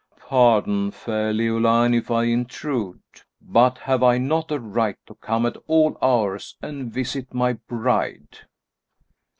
"Pardon, fair Leoline, if I intrude! But have I not a right to come at all hours and visit my bride?"